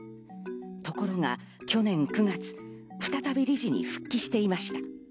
ところが、去年９月、再び理事に復帰していました。